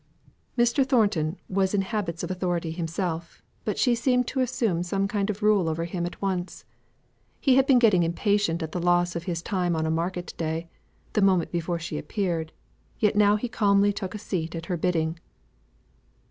Mr. Thornton was in habits of authority himself, but she seemed to assume some kind of rule over him at once. He had been getting impatient at the loss of his time on a market day, the moment before she appeared, yet now he calmly took a seat at her bidding.